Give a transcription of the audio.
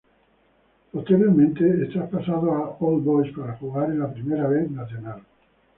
Posteriormente es traspasado a All Boys para jugar en la Primera B Nacional.